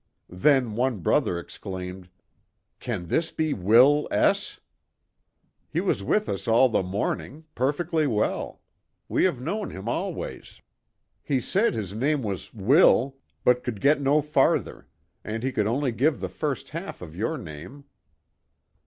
Then one brother exclaimed :" Can this be Will S ! He was with us all the morning perfectly well. We have known him always." THE GOOD SAMARITAN. 169 " He said his name was * Will,' but could get no farther, and he could only give the first half of your name."